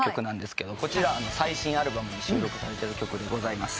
こちら最新アルバムに収録されてる曲でございまして。